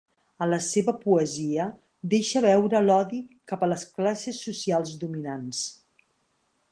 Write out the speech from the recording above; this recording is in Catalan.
A la seva poesia deixa veure l'odi cap a les classes socials dominants.